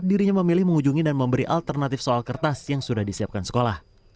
dirinya memilih mengunjungi dan memberi alternatif soal kertas yang sudah disiapkan sekolah